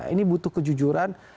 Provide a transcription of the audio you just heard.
ini butuh kejujuran